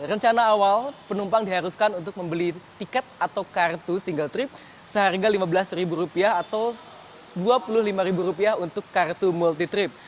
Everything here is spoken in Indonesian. rencana awal penumpang diharuskan untuk membeli tiket atau kartu single trip seharga rp lima belas atau rp dua puluh lima untuk kartu multi trip